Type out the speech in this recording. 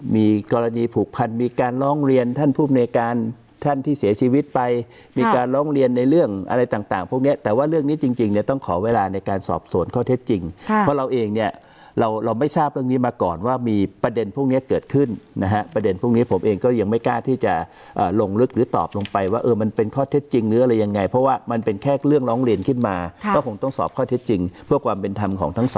มีกรณีผูกพันมีการร้องเรียนท่านผู้ในการท่านที่เสียชีวิตไปมีการร้องเรียนในเรื่องอะไรต่างต่างพวกเนี้ยแต่ว่าเรื่องนี้จริงจริงเนี้ยต้องขอเวลาในการสอบสวนข้อเท็จจริงค่ะเพราะเราเองเนี้ยเราเราไม่ทราบเรื่องนี้มาก่อนว่ามีประเด็นพวกเนี้ยเกิดขึ้นนะฮะประเด็นพวกเนี้ยผมเองก็ยังไม่กล้าที่จะอ่าลงลึก